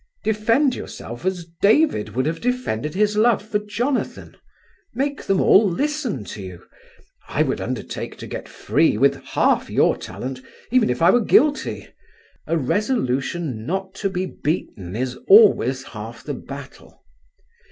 Defend yourself as David would have defended his love for Jonathan. Make them all listen to you. I would undertake to get free with half your talent even if I were guilty; a resolution not to be beaten is always half the battle....